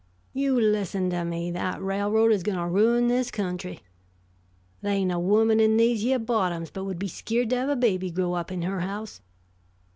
You listen to me; that railroad is goin' to ruin this country. Th' ain't a woman in these yeah bottoms but would be skeered to have a baby grow up in her house.